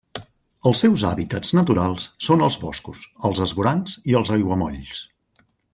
Els seus hàbitats naturals són els boscos, els esvorancs i els aiguamolls.